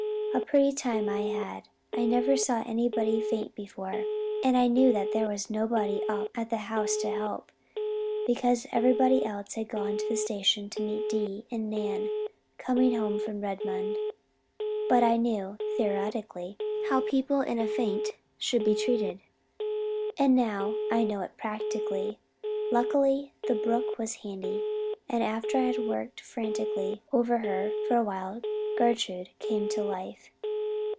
A pretty time I had! I never saw anybody faint before, and I knew there was nobody up at the house to help, because everybody else had gone to the station to meet Di and Nan coming home from Redmond. But I knew theoretically how people in a faint should be treated, and now I know it practically. Luckily the brook was handy, and after I had worked frantically over her for a while Gertrude came back to life.